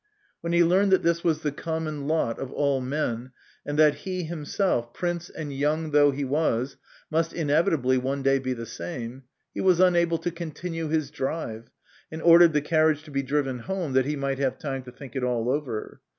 When he learned that this was the common lot of all men, and that he himself, prince and young though he was, must inevitably one day be the same, he was unable to continue his drive, and ordered the carriage to be driven home, that he might have time to think it all over.